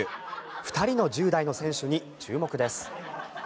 ２人の１０代の選手に注目です。